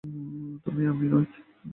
তুমি আমি নই।